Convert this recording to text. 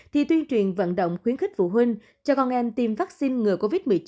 thì tuyên truyền vận động khuyến khích phụ huynh cho con em tiêm vaccine ngừa covid một mươi chín